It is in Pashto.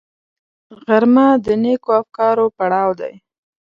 غرمه د نېکو افکارو پړاو دی